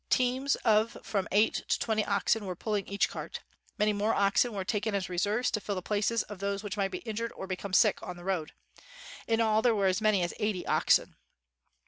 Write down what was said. Teams of from eight to twenty oxen were pulling each cart. Many more oxen were taken as reserves to fill the places of those which might be injured or become sick on the road. In all there were as many as eighty oxen.